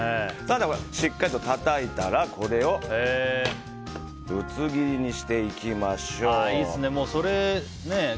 しっかりとたたいたらこれをぶつ切りにしていきましょう。